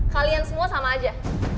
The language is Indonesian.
kalian semua sama aja